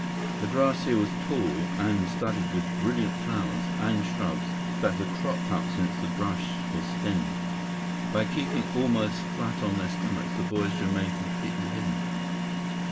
The grass here was tall and studded with brilliant flowers and shrubs that had cropped up since the brush was thinned. By keeping almost flat on their stomachs, the boys remained completely hidden.